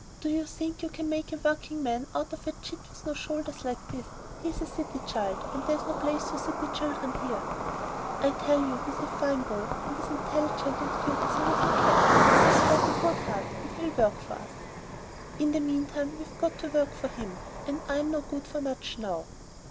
Do you think you can make a working man out of a chit with shoulders like his? He's a city child and there's no place for city children here." "I tell you he's a fine boy and as intelligent and cute as a little cat, and he's got a good heart, and he'll work for us...." "In the meantime we've got to work for him, and I'm no good for much now."